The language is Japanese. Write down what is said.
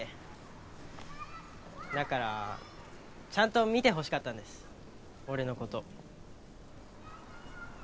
だからちゃんと見てほしかったんです俺の事。